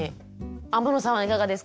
天野さんはいかがですか？